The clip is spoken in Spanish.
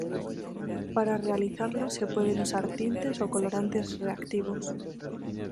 Para realizarlo se pueden usar tintes o colorantes reactivos.